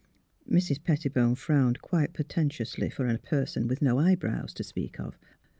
Mrs. Pettibone frowned quite portentously for a person with no eyebrows to speak of.